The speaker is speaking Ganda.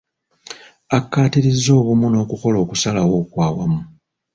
Akaatiriza obumu n'okukola okusalawo okwawamu.